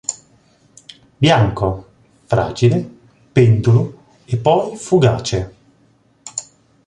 Bianco, fragile, pendulo e poi fugace.